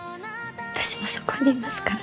私もそこにいますから。